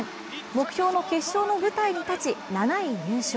目標の決勝の舞台に立ち７位入賞。